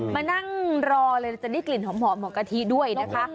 มานั่งรอเลยจะได้กลิ่นหอมของกะทิด้วยนะคะ